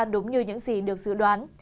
đúng như những gì được dự đoán